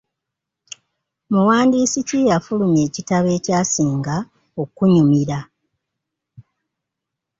Muwandiisi ki eyafulumya ekitabo ekyasinga okunnyumira.